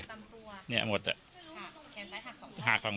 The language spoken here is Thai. บอกแล้วบอกแล้วบอกแล้วบอกแล้ว